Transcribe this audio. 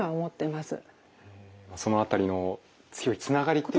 その辺りの強いつながりっていう。